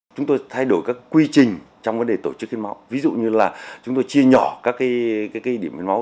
chúng tôi thay đổi các quy trình trong vấn đề tổ chức hiến máu ví dụ như là chúng tôi chia nhỏ các điểm hiến máu